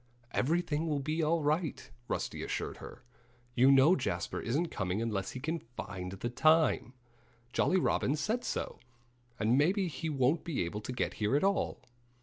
"Everything will be all right," Rusty assured her. "You know Jasper isn't coming unless he can find the time. Jolly Robin said so. And maybe he won't be able to get here at all."